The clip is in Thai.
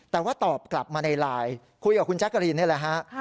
แต่ว่าตอบกลับมาในไลน์คุยกับคุณแจ๊กกะรีนนี่แหละฮะ